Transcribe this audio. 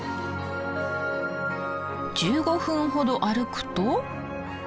１５分ほど歩くと。